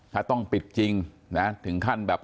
ถ้าต้องปิดจริงนะถึงขั้นแบบ